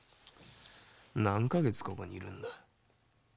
「何カ月ここにいるんだ？」